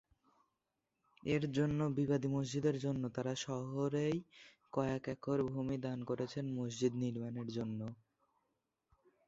এর জন্য বিবাদী মসজিদের জন্য তারা শহরেই কয়েক একর ভূমি দান করেছে মসজিদ নির্মাণের জন্য।